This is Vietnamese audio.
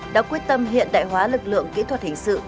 đã quyết tâm hiện đại hóa lực lượng kỹ thuật hình sự